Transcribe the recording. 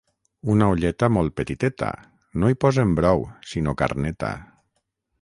Una olleta molt petiteta. No hi posen brou sinó carneta.